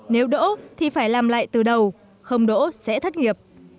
nếu đỗ thì phải làm lại từ đầu không đỗ sẽ thất nghiệp